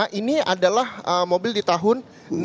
nah ini adalah mobil di tahun enam puluh sembilan